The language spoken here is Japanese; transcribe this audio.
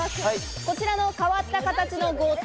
こちらの、変わった形の豪邸。